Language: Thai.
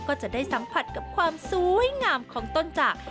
ก็จะได้สัมผัสกับความสวยงามของต้นจาก